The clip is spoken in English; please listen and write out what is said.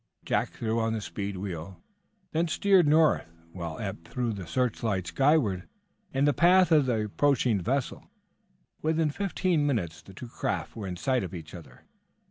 Jack threw on the speed wheel, then steered north, while Eph threw the searchlight skyward in the path of the approaching vessel. Within fifteen minutes the two craft were in sight of each other.